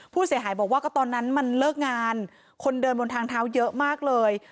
ผู้เสียหายบอกว่าก็ตอนนั้นมันเลิกงานคนเดินบนทางเท้าเยอะมากเลย